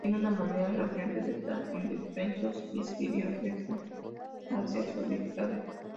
Tienen una manera radiante de estar indefensos, y escribo esta frase a su dictado.